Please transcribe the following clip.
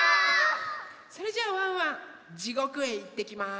それじゃあワンワン地獄へいってきます！